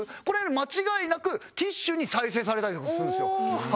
これ間違いなくティッシュに再生されたりとかするんですよ。